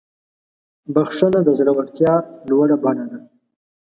بخښنه د زړورتیا لوړه بڼه ده.